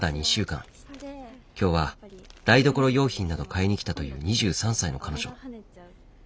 今日は台所用品など買いに来たという２３歳の彼女。